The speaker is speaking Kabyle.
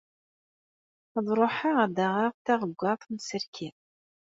Ad ruḥeɣ ad d-aɣeɣ taɣeggaṭ n tserki.